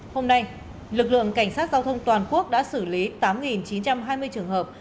hôm nay lực lượng cảnh sát giao thông toàn quốc đã xử lý tám chín trăm hai mươi trường hợp